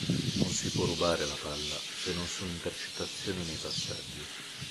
Non si può rubare la palla se non su intercettazione nei passaggi.